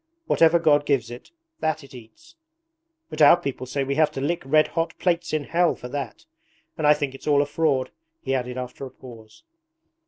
Whatever God gives it, that it eats! But our people say we have to lick red hot plates in hell for that. And I think it's all a fraud,' he added after a pause.